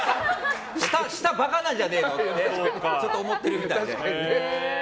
舌バカなんじゃねえのって思ってるみたいで。